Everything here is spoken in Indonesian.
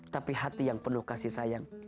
tapi hati yang penuh kasih sayang